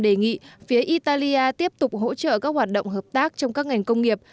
đề nghị phía italia tiếp tục hỗ trợ các hoạt động hợp tác trong các ngành công nghiệp